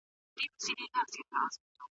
مشوره کول ښه کار دی.